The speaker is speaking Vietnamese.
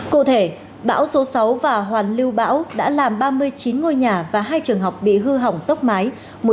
cụ thể bão số sáu và hoàn lưu bão đã làm ba mươi chín ngôi nhà và hai trường học bị hư hỏng tốc mái